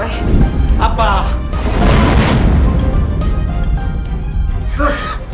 saya enak ya sama gue